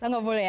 tidak boleh ya